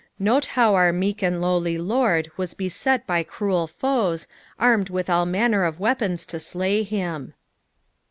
Note how our meek and lowly Lord was beset by cruel foes, armed with all manner of weapons to slay him.